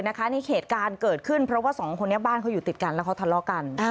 ในเหตุการณ์เกิดขึ้นเพราะว่าสองคนนี้บ้านเขาอยู่ติดกันแล้วเขาทะเลาะกัน